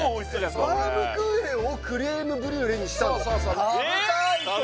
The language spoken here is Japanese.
これバウムクーヘンをクレームブリュレにしたの？